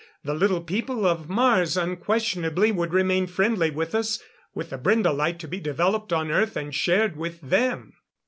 The Little People of Mars unquestionably would remain friendly with us, with the Brende light to be developed on Earth and shared with them.